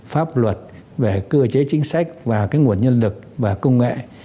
pháp luật về cơ chế chính sách và cái nguồn nhân lực và công nghệ